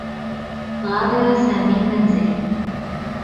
غادر سامي المنزل.